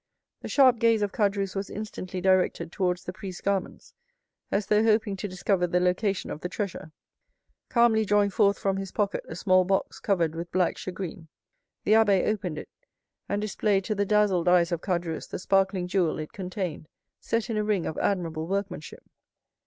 The sharp gaze of Caderousse was instantly directed towards the priest's garments, as though hoping to discover the location of the treasure. Calmly drawing forth from his pocket a small box covered with black shagreen, the abbé opened it, and displayed to the dazzled eyes of Caderousse the sparkling jewel it contained, set in a ring of admirable workmanship.